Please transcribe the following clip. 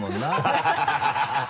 ハハハ